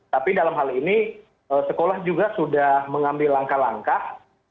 tapi dalam hal ini sekolah juga sudah mengambil langkah langkah